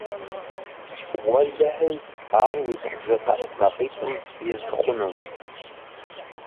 Уэлэхьи, ар уи куржы къэлътмакъитӀым из хъунум.